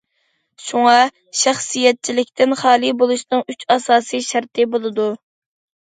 شۇڭا شەخسىيەتچىلىكتىن خالىي بولۇشنىڭ ئۈچ ئاساسى شەرتى بولىدۇ.